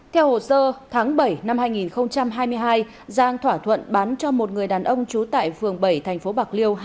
theo hồ sơ tháng bảy năm hai nghìn hai mươi hai giang thỏa thuận bán cho một người đàn ông trú tại phường bảy thành phố bạc liêu